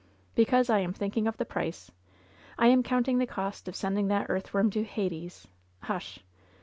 "Because I am thinking of the price. I am coimting the cost of sending that earthworm to Hades Hush!"